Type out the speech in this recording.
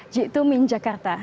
jitu min jakarta